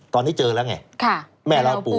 ตอนนี้เจอแล้วไงแม่ลอยปู่